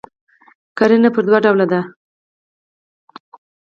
قرینه پر دوه ډوله ده.